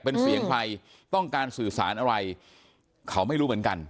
เป็นเสียงใครต้องการสื่อสารอะไรเขาไม่รู้เหมือนกัน